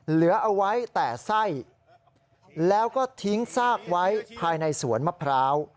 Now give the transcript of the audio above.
เหลือเอาไว้แต่ไส้แล้วก็ทิ้งซากไว้ภายในสวนมะพร้าว